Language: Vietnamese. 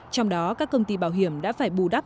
trong đó các công ty bảo hiểm đã phải bù đắp